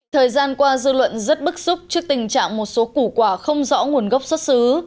thời gian qua dư luận rất bức xúc trước tình trạng một số củ quả không rõ nguồn gốc xuất xứ